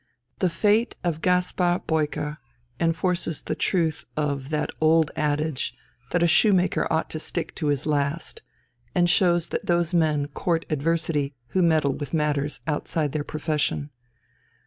The fate of Gaspar Peucer enforces the truth of the old adage that "a shoemaker ought to stick to his last," and shows that those men court adversity who meddle with matters outside their profession.